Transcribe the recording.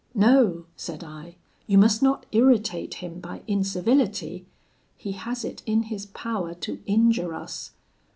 'No,' said I, 'you must not irritate him by incivility: he has it in his power to injure us.